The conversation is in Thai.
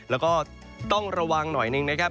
แล้วก็ต้องระวังหน่อยหนึ่งนะครับ